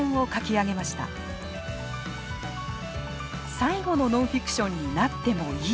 最後のノンフィクションになってもいい。